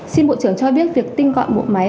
xin bộ trưởng cho biết việc tinh gọn bộ máy